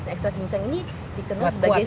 ekstrak ginseng ini dikenal sebagai